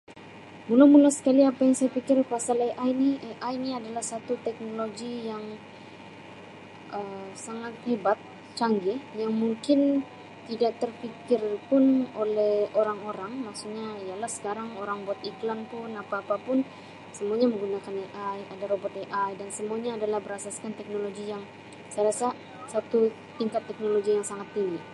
Mula-mula sekali apa yang saya fikir tentang AI ni ialah AI ni adalah satu teknologi yang Um sangat hebat canggih yang mungkin tidak terpikir pun oleh orang-orang maksud ialah sekarang orang buat iklan pun apa-apa pun semuanya menggunakan AI ada robot AI dan semuanya adalah berasaskan teknologi yang saya rasa satu tingkat teknologi yang sangat tinggi.